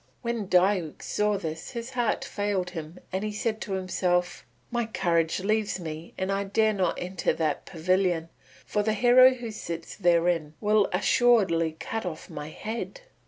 When Diuk saw this his heart failed him and he said to himself, "My courage leaves me and I dare not enter that pavilion, for the hero who sits therein will assuredly cut off my head.